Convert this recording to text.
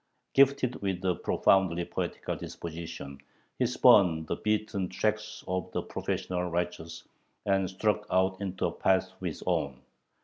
Gifted with a profoundly poetical disposition, he spurned the beaten tracks of the professional "Righteous," and struck out into a path of his own.